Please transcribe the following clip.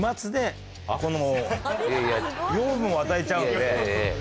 この養分を与えちゃうんで。